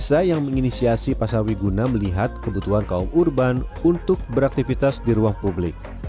desa yang menginisiasi pasar wiguna melihat kebutuhan kaum urban untuk beraktivitas di ruang publik